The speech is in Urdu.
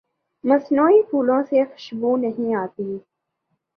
مصنوعی پھولوں سے خوشبو نہیں آتی